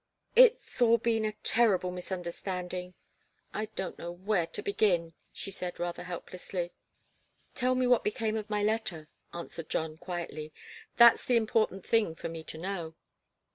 "It's all been a terrible misunderstanding I don't know where to begin," she said, rather helplessly. "Tell me what became of my letter," answered John, quietly. "That's the important thing for me to know."